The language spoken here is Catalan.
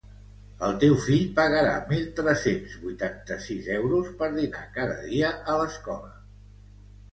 El teu fill pagarà mil tres-cents vuitanta-sis euros per dinar cada dia a escola